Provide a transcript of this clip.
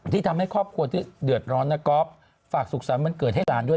ที่ทำให้ครอบครัวเชิงก่อพระนี้ฝากสุขสัญมันเกิดให้แล้วนะครับ